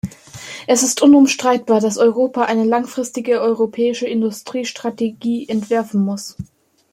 Es ist unbestreitbar, dass Europa eine langfristige europäische Industriestrategie entwerfen muss.